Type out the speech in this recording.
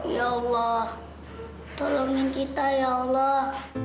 ya allah tolongin kita ya allah